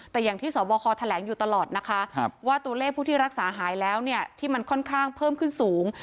แต่อย่างที่สบคแถลงอยู่ตลอดนะคะว่าตัวเลขผู้ที่รักษาหายแล้วเนี่ยที่มันค่อนข้างเพิ่มขึ้นสูง